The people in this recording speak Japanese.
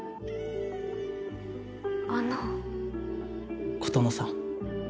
あの琴乃さん